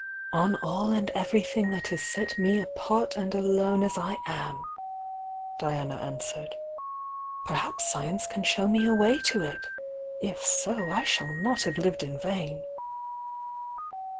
"On all and everything that has set me apart and alone as I am!" Diana inswered. "Perhaps science can show me a way to it! If so, I shall not have lived in vain!"